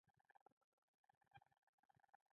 د نجونو د زده کړو مخالفت یو ناسمو دود دی.